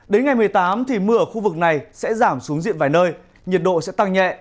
đến ngày một mươi tám thì mưa ở khu vực này sẽ giảm xuống diện vài nơi nhiệt độ sẽ tăng nhẹ